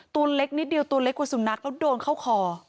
ตัวเล็กนิดเดียวตัวเล็กกว่าสุนัขแล้วโดนเข้าคอ